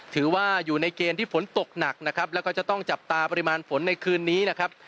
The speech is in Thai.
ถือว่าอยู่ในเกณฑ์ที่ฝนตกหนักนะครับแล้วก็จะต้องจับตาปริมาณฝนในคืนนี้นะครับ